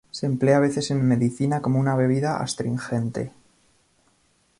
Se emplea a veces en medicina como una bebida astringente.